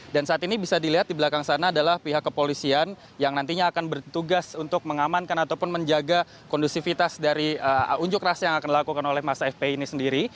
dan saat ini bisa dilihat di belakang sana adalah pihak kepolisian yang nantinya akan bertugas untuk mengamankan ataupun menjaga kondusivitas dari unjuk rasa yang akan dilakukan oleh masa fpi ini sendiri